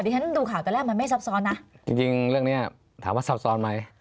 ที่ฉันดูข่าวตอนแรกมันไม่ซับซ้อนนะจริงจริงเรื่องเนี้ยถามว่าซับซ้อนไหม